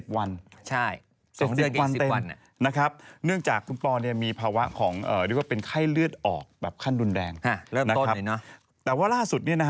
๗๐วันเต็มนะครับเพราะว่าเป็นไข้เลือดออกแบบขั้นรุนแรงนะครับแต่ว่าร่าสุดเนี่ยนะฮะ